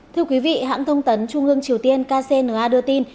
thưa quý vị hãng thông tấn trung ương triều tiên kcna đưa tin